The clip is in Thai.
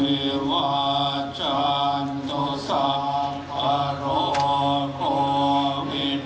ไม่ประมาทในกิจการทั้งปวง